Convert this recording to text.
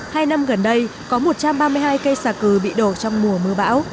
hai năm gần đây có một trăm ba mươi hai cây xà cừ bị đổ trong mùa mưa bão